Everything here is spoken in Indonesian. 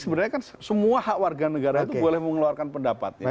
sebenarnya kan semua hak warga negara itu boleh mengeluarkan pendapat